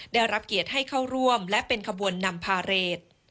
ได้รับเกียรติให้เข้าร่วมและเป็นขบวนนำพาเรท